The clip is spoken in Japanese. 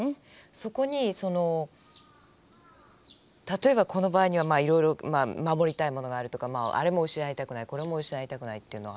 そこにその例えばこの場合にはいろいろ守りたいものがあるとかあれも失いたくないこれも失いたくないっていうのは。